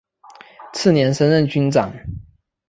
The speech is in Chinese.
次年升任军长。